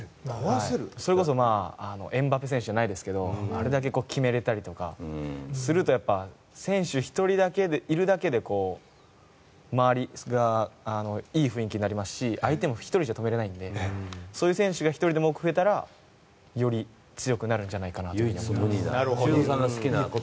それこそエムバペ選手じゃないですけどあれだけ決めれたりとかすると選手１人いるだけで周りがいい雰囲気になりますし相手も１人じゃ止められないのでそういう選手が１人でも多く増えたら修造さんが好きな言葉。